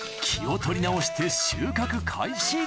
気を取り直して収穫開始